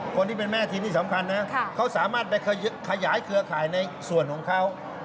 คนที่เป็นแม่ทีมนี่สำคัญนะเขาสามารถไปขยายเครือข่ายในส่วนของเขา